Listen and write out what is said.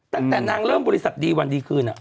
ตั้งแต่เริ่มบริษัทดีวันดีขึ้น